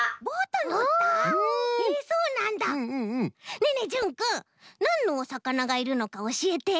ねえねえじゅんくんなんのおさかながいるのかおしえて？